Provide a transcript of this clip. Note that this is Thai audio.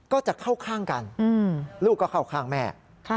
ก็จะเข้าข้างกันลูกก็เข้าข้างแม่